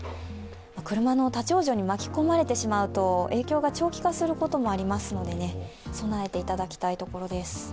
車の立ち往生に巻き込まれてしまうと影響が長期化してしまうこともありますので備えていただきたいところです。